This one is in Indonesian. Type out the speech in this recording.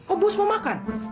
oh bos mau makan